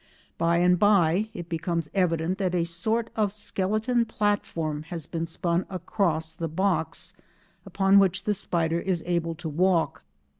By and by it becomes evident that a sort of skeleton platform has been spun across the box, upon which the spider is able to walk.